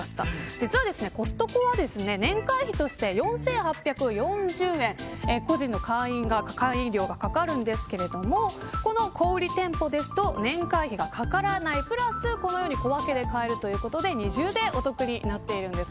実はコストコは年会費として４８４０円個人の会員料がかかるんですけれどもこの、小売店舗ですと年会費がかからないプラスこのように小分けで買えるということで二重でお得になっているんです。